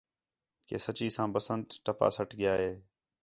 کہ سچّی ساں بسنت ٹپا سٹ ڳِیا ہِے